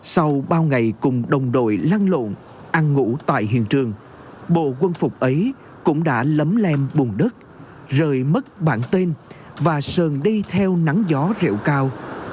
sau bao ngày cùng đồng đội lăn lộn ăn ngủ tại hiện trường bộ quân phục ấy cũng đã lấm lem bùn đất rời mất bản tên và sơn đi theo nắng gió rượu cao